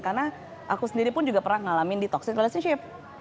karena aku sendiri pun juga pernah ngalamin di toxic relationship